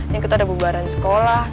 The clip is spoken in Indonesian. yang kita ada bubaran sekolah